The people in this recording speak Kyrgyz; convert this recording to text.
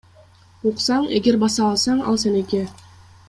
Уксаң, эгер баса алсаң ал сеники.